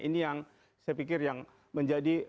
ini yang saya pikir yang menjadi